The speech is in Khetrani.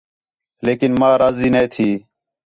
لیکن ماں راضی نَے تھی